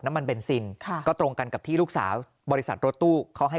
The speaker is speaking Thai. เบนซินก็ตรงกันกับที่ลูกสาวบริษัทรถตู้เขาให้